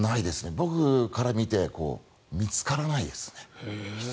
僕から見て見つからないですね。